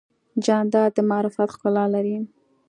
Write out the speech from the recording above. جانداد د معرفت ښکلا لري.